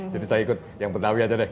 jadi saya ikut yang betawi aja deh